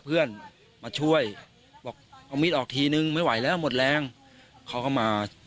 เพื่อป้องกันตัวด้วยนะครับ